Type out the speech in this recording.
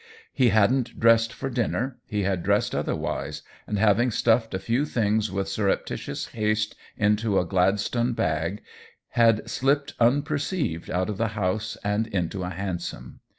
He hadn't dressed for dinner, he had dressed otherwise, and having stuffed a few things with surreptitious haste into a Gladstone bag, had slipped unperceived out of the house and into a hansom.